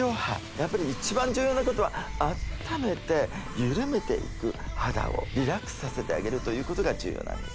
やっぱり一番重要なことはあっためて緩めていく肌をリラックスさせてあげるということが重要なんです